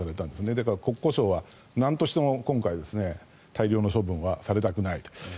だから、国交省はなんとしてでも今回、大量の処分はされたくないと。